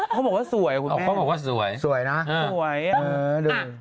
เค้าบอกว่าสวยคุณแม่สวยนะฮึ้มหือดู